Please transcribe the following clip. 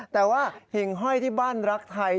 แต่ว่าหิ่งห้อยที่บ้านรักไทย